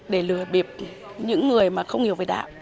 để lừa bịp những người mà không hiểu về đạo